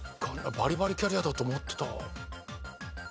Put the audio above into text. バリバリキャリアだと思ってた。